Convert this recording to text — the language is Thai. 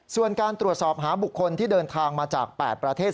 ส่วนการตรวจสอบหาบุคคลที่เดินทางมาจาก๘ประเทศ